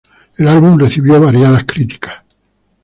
El álbum recibió variadas críticas.